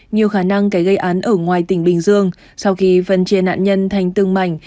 nhiều khả năng cái gây án ở ngoài tỉnh bình dương sau khi phần triển nạn nhân thành tương mảnh